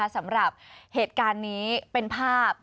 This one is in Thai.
สำหรับเหตุการณ์นี้เป็นภาพ